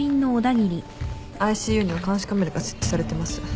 ＩＣＵには監視カメラが設置されてます。